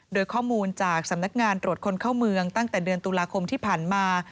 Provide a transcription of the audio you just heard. โดยข้อมูลจากสำนักงานตรวจคนเข้าเมืองตั้งแต่เดือนตุลาคมที่ผ่านมา